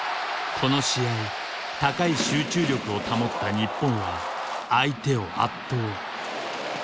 この試合高い集中力を保った日本は相手を圧倒。